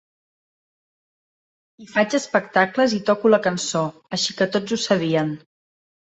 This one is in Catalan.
I faig espectacles i toco la cançó, així que tots ho sabien.